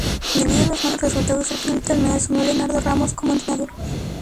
Debido a los malos resultados, al final del torneo, asumió Leonardo Ramos como entrenador.